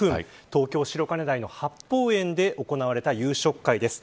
東京、白金台の八芳園で行われた夕食会です。